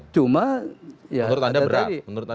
cuma menurut anda berat